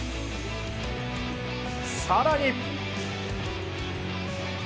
さらに。